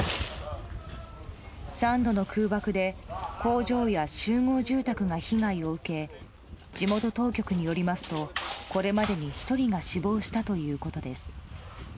３度の空爆で工場や集合住宅が被害を受け地元当局によりますとこれまでに１人が死亡したということです。